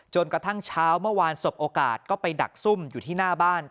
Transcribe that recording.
กระทั่งเช้าเมื่อวานสบโอกาสก็ไปดักซุ่มอยู่ที่หน้าบ้าน